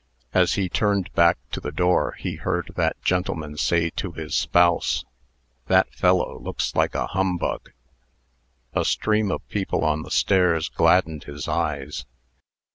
As he turned back to the door, he heard that gentleman say to his spouse, "That fellow looks like a humbug." A stream of people on the stairs gladdened his eyes.